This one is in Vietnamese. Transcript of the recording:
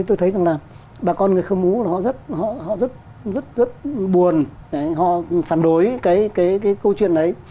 tôi thấy rằng là bà con người khơ mú họ rất buồn họ phản đối cái câu chuyện đấy